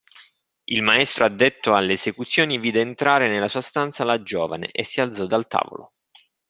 Il maestro addetto alle esecuzioni vide entrare nella sua stanza la giovane e si alzò dal tavolo.